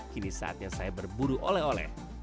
kini saatnya saya berburu oleh oleh